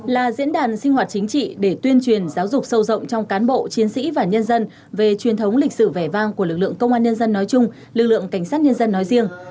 là diễn đàn sinh hoạt chính trị để tuyên truyền giáo dục sâu rộng trong cán bộ chiến sĩ và nhân dân về truyền thống lịch sử vẻ vang của lực lượng công an nhân dân nói chung lực lượng cảnh sát nhân dân nói riêng